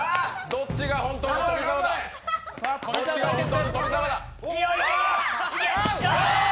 どっちが本当の富澤か。